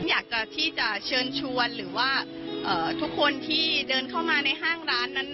อยากจะที่จะเชิญชวนหรือว่าทุกคนที่เดินเข้ามาในห้างร้านนั้น